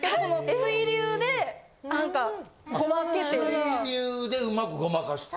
水流でうまくごまかして？